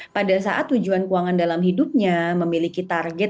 pada saat tujuan keuangan dalam hidupnya memiliki target